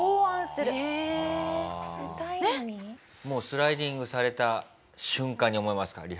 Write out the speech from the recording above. もうスライディングされた瞬間に思いますか？